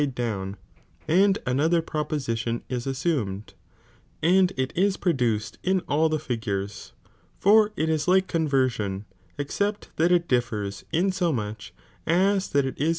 °Bnd' Id down, and another proposition is assumed, and it iHrtinciiDn jg produced in all the figures, for it is like conver iIdd ihr" sion except that it dififers insomuch as that it is •npofiTi.